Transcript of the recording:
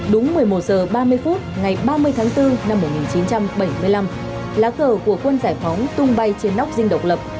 đúng một mươi một h ba mươi phút ngày ba mươi tháng bốn năm một nghìn chín trăm bảy mươi năm lá cờ của quân giải phóng tung bay trên nóc dinh độc lập